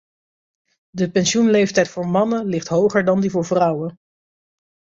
De pensioenleeftijd voor mannen ligt hoger dan die voor vrouwen.